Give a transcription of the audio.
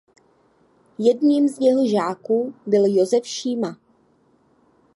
Jedním z jeho žáků byl Josef Šíma.